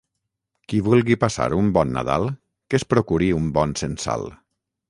Qui vulgui passar un bon Nadal que es procuri un bon censal.